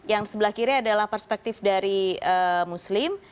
yang sebelah kiri adalah perspektif dari muslim